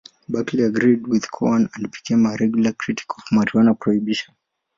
Buckley agreed with Cowan, and became a regular critic of marijuana prohibition.